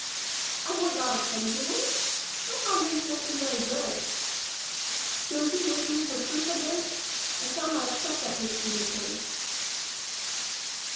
I want not a pendulum? I have them here some very good. Don't you live me her proof againts ? I shall not accept that this condition.